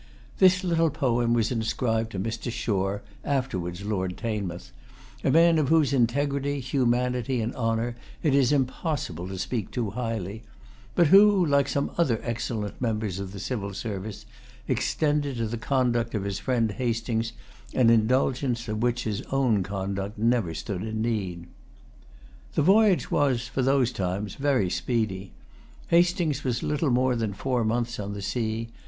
This little poem was inscribed to Mr. Shore, afterwards Lord Teignmouth, a man of whose integrity, humanity, and honor it is impossible to speak too highly; but who, like some other excellent members of the civil service, extended to the conduct of his friend Hastings an indulgence of which his own conduct never stood in need. The voyage was, for those times, very speedy. Hastings was little more than four months on the sea.